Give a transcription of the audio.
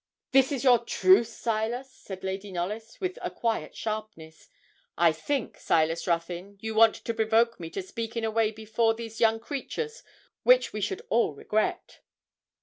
'This is your truce, Silas,' said Lady Knollys, with a quiet sharpness. 'I think, Silas Ruthyn, you want to provoke me to speak in a way before these young creatures which we should all regret.'